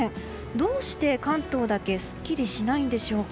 どうして関東だけすっきりしないんでしょうか。